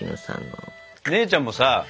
姉ちゃんもさ